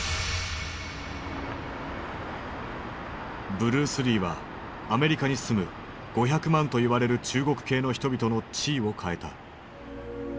ブルース・リーはアメリカに住む５００万と言われる中国系の人々の地位を変えた。